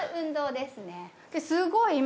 ですごい今。